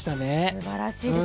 すばらしいです。